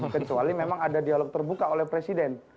kecuali memang ada dialog terbuka oleh presiden